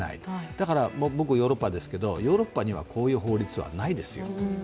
だから、僕はヨーロッパですけどヨーロッパにはこういう法律はないですよ。